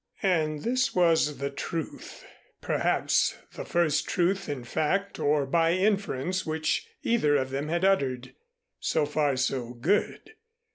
And this was the truth, perhaps the first truth in fact or by inference which either of them had uttered. So far so good.